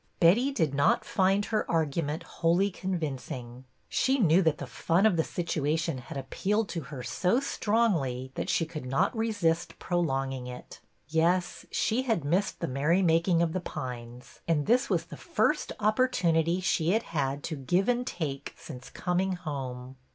'' Betty did not find her argument wholly con vincing. She knew that the fun of the situation had appealed to her so strongly that she could not resist prolonging it. Yes, she had missed the merry making of The Pines, and this was the first opportunity she had had to give and take since coming home.